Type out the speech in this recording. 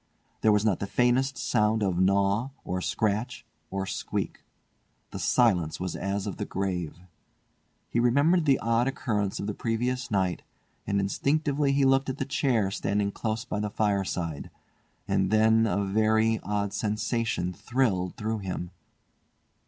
There was not the faintest sound of gnaw, or scratch, or squeak. The silence was as of the grave. He remembered the odd occurrence of the previous night, and instinctively he looked at the chair standing close by the fireside. And then a very odd sensation thrilled through him.